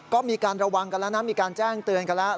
ก็มีการระวังกันแล้วนะมีการแจ้งเตือนกันแล้ว